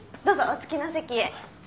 どうぞお好きな席へ。